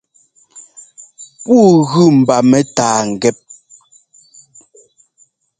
Pûu gʉ mba mɛ́tâa ŋgɛ́p.